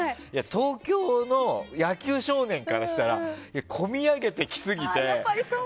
東京の野球少年からしたらこみ上げてきすぎて。